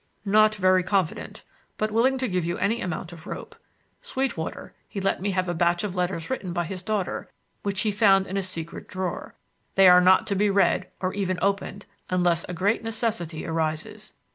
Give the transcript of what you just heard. "Not very confident; but willing to give you any amount of rope. Sweetwater, he let me have a batch of letters written by his daughter which he found in a secret drawer. They are not to be read, or even opened, unless a great necessity arises.